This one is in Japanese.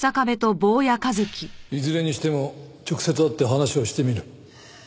いずれにしても直接会って話をしてみる。